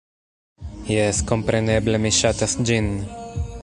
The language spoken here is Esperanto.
Jes, kompreneble, mi ŝatas ĝin!